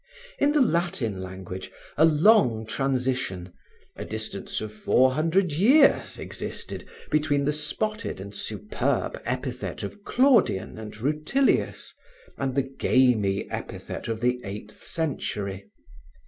In the Latin language, a long transition, a distance of four hundred years existed between the spotted and superb epithet of Claudian and Rutilius and the gamy epithet of the eighth century.